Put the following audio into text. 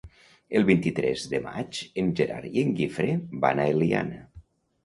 El vint-i-tres de maig en Gerard i en Guifré van a l'Eliana.